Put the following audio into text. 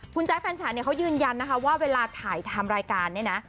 คุณแจ๊คแฟนฉันเนี่ยเขายืนยันนะคะว่าเวลาถ่ายทำรายการเนี่ยนะ